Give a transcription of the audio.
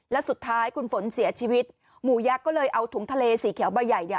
และสุดท้ายคุณฝนเสียชีวิตหมูยักษ์ก็เลยเอาถุงทะเลสีเขียวใบใหญ่เนี่ย